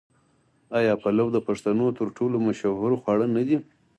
آیا پلو د پښتنو تر ټولو مشهور خواړه نه دي؟